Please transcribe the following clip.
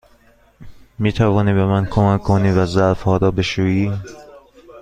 می توانی به من کمک کنی و ظرف ها را بشویی؟